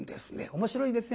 面白いですね